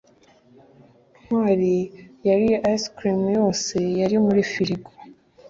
ntwali yariye ice cream yose yari muri firigo